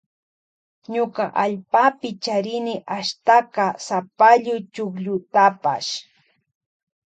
Ñuka allpapi charini ashtaka sapallu chukllutapash.